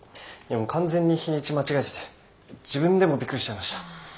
完全に日にち間違えてて自分でもびっくりしちゃいました。